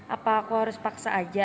apa aku harus paksa aja